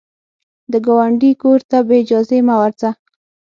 د ګاونډي کور ته بې اجازې مه ورځه